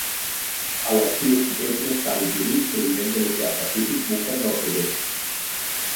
A l’estiu, vents més càlids i humits, provinents de l’oceà Pacífic, bufen de sud-est.